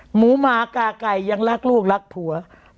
หมากาไก่ยังรักลูกรักผัว